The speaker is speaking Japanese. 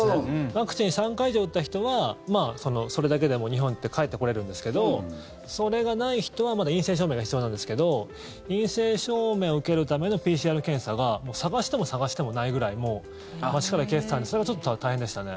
ワクチンを３回以上打った人はそれだけで日本に帰ってこれるんですけどそれがない人はまだ陰性証明が必要なんですけど陰性証明を受けるためのＰＣＲ検査が探しても探してもないぐらい街から消えてたんでそれがちょっと大変でしたね。